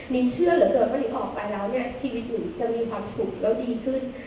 นิ้งเชื่อเหลือเกิดวันนี้ออกไปแล้วเนี่ยชีวิตหนูจะมีความสุขและดีขึ้น